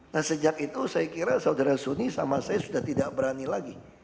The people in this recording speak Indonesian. nah sejak itu saya kira saudara suni sama saya sudah tidak berani lagi